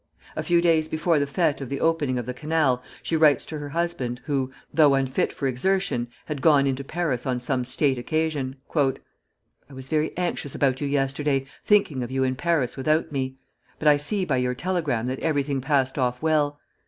A few days before the fêtes of the opening of the canal, she writes to her husband, who, though unfit for exertion, had gone into Paris on some state occasion, "I was very anxious about you yesterday, thinking of you in Paris without me; but I see by your telegram that everything passed off well.